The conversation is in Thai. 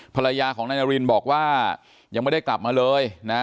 ภรรยาของนายนารินบอกว่ายังไม่ได้กลับมาเลยนะ